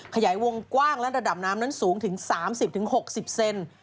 ขยายวงกว้างและระดับน้ำนั้นสูงถึง๓๐๖๐เซน